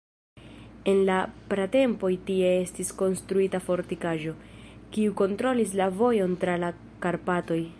En la pratempoj tie estis konstruita fortikaĵo, kiu kontrolis la vojon tra la Karpatoj.